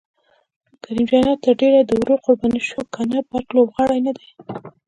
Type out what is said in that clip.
کریم جنت تر ډېره د ورور قرباني شو، که نه بد لوبغاړی نه دی.